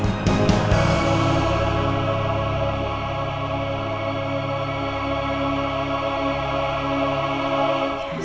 sampai ketemu di rumah